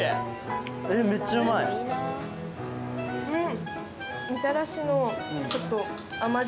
うん！